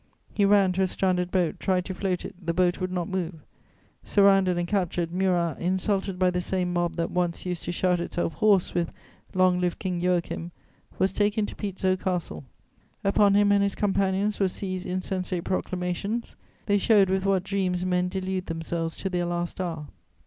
He ran to a stranded boat, tried to float it; the boat would not move. Surrounded and captured, Murat, insulted by the same mob that once used to shout itself hoarse with "Long live King Joachim!" was taken to Pizzo Castle. Upon him and his companions were seized insensate proclamations: they showed with what dreams men delude themselves to their last hour.